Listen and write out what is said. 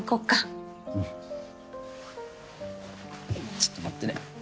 ちょっと待ってね。